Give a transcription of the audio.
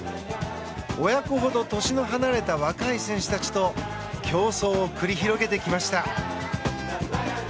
親子ほど年の離れた若い選手たちと競争を繰り広げてきました。